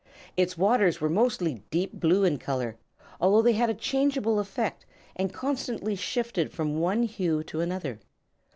Its waters were mostly deep blue in color, although they had a changeable effect and constantly shifted from one hue to another.